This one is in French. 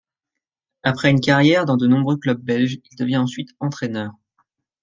Après une carrière dans de nombreux clubs belges, il devient ensuite entraîneur.